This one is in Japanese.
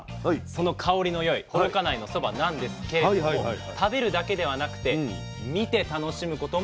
その香りの良い幌加内のそばなんですけれども食べるだけではなくて見て楽しむこともできるんです。